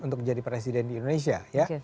untuk menjadi presiden di indonesia ya